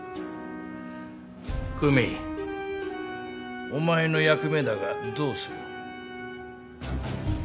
久美お前の役目だがどうする？